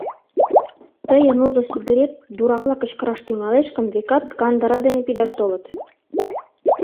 Тыйын узо Сидырет дуракла кычкыраш тӱҥалеш гын, векат, кандыра дене пидаш толыт...